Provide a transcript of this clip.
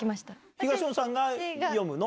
東野さんが読むの？